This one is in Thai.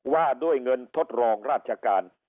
ว่าด้วยเงินทดลองราชการ